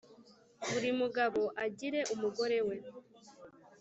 buri mugabo agire umugore we